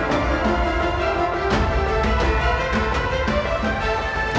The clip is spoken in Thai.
สวัสดีครับสวัสดีครับ